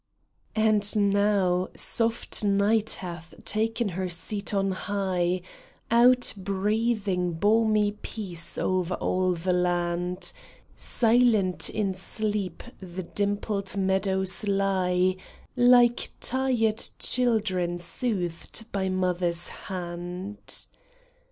ND now soft night hath ta'en her seat on high, Outbreathing balmy peace o'er all the land ; Silent in sleep the dimpled meadows lie Like tired children soothed by mother's hand.